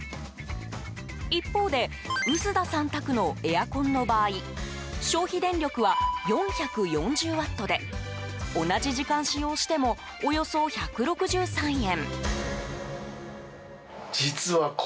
一方で、臼田さん宅のエアコンの場合消費電力は４４０ワットで同じ時間使用してもおよそ１６３円。